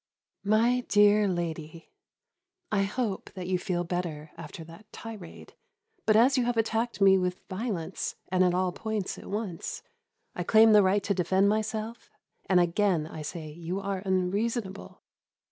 My dear lady, I hope that you feel better after that tirade; but as you have attacked me with violence, and at all points at once, I claim the right to defend myself, and again I say you are unreasonable.